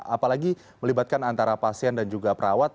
apalagi melibatkan antara pasien dan juga perawat